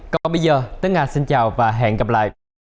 còn bây giờ tớ ngạc xin chào và hẹn gặp lại